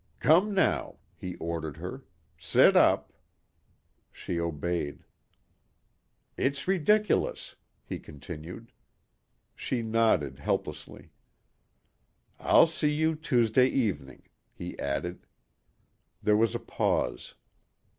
"Come now," he ordered her, "sit up." She obeyed. "It's ridiculous," he continued. She nodded helplessly. "I'll see you Tuesday evening," he added. There was a pause.